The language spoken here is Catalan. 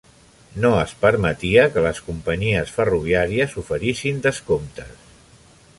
No es permetia que les companyies ferroviàries oferissin descomptes.